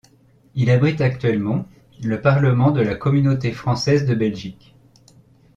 Il abrite actuellement le Parlement de la Communauté française de Belgique.